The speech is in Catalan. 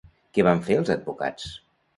Què van fer els advocats?